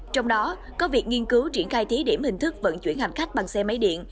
trong đó có việc nghiên cứu triển khai thí điểm hình thức vận chuyển hành khách bằng xe máy điện